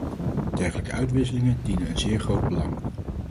Dergelijke uitwisselingen dienen een zeer groot belang.